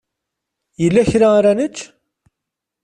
Yella kra ara nečč?